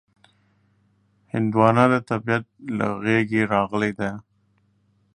هندوانه د طبیعت له غېږې راغلې ده.